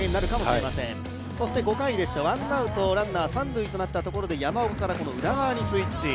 ５回でした、ワンアウト、ランナー三塁となったところで山岡から宇田川にスイッチ。